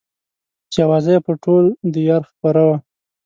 چې اوازه يې پر ټول ديار خپره وه.